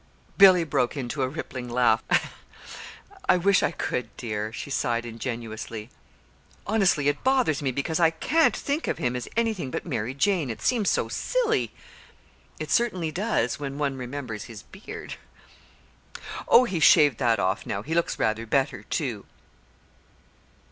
Billy broke into a rippling laugh. "I wish I could, dear," she sighed ingenuously. "Honestly, it bothers me because I can't think of him as anything but 'Mary Jane.' It seems so silly!" "It certainly does when one remembers his beard." "Oh, he's shaved that off now. He looks rather better, too."